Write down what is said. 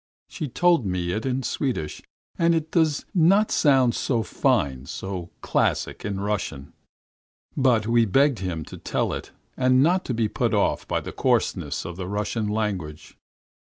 She told me it in Swedish, and it does not sound so fine, so classical, in Russian." But we begged him to tell it and not to be put off by the coarseness of the Russian language.